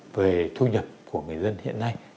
về thu nhập của người dân hiện nay